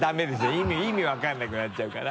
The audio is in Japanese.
意味分からなくなっちゃうから。